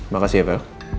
makasih ya pe